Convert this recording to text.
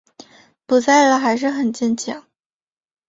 不在了还是很坚强